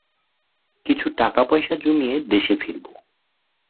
কিছু টাকা পয়সা জমিয়ে দেশে ফিরব।